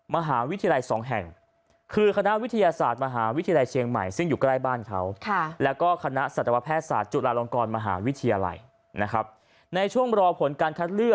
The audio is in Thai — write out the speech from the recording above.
มหาวิทยาลัย๒แห่งคือคณะวิทยาศาสตร์มหาวิทยาลัยเชียงไหม